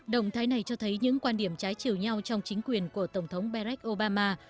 động thái này cho thấy những quan điểm trái chiều nhau trong chính quyền của tổng thống berres obama